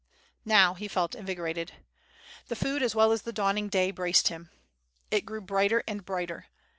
Now he felt invigorated. The food as well as the dawning day, braced him. It grew brighter and brighter.